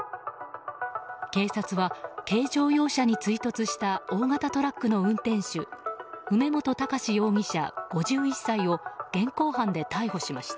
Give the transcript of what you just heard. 警察は軽乗用車に追突した大型トラックの運転手梅本敬容疑者、５１歳を現行犯で逮捕しました。